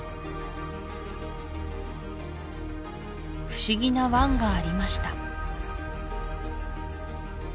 不思議な湾がありました